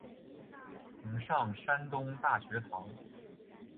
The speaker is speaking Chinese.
曾上山东大学堂。